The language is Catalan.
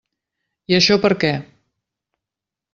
I això per què?